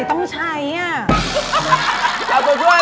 เอาตัวช่วยมาเอาตัวช่วย